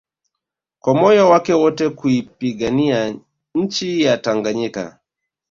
kwa moyo wake wote kuipigania nchi yake ya Tanganyika